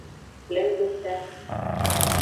Plengota.